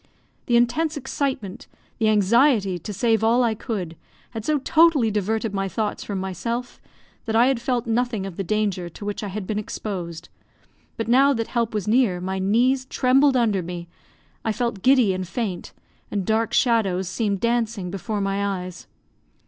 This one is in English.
The intense excitement, the anxiety to save all I could, had so totally diverted my thoughts from myself, that I had felt nothing of the danger to which I had been exposed; but now that help was near, my knees trembled under me, I felt giddy and faint, and dark shadows seemed dancing before my eyes.